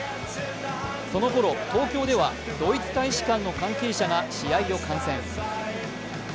そのころ東京ではドイツ大使館の関係者が試合を観戦。